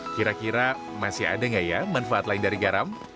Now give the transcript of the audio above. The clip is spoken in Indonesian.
kira kira masih ada nggak ya manfaat lain dari garam